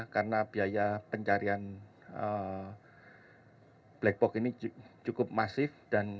karena biaya pencarian black box ini cukup masif